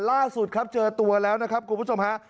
ล่าสุดครับเจอตัวแล้วนะครับคุณผู้ชมฮะ